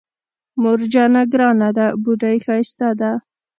مور جانه ګرانه ده بوډۍ ښايسته ده